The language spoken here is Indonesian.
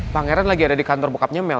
pangeran lagi ada di kantor bokapnya mel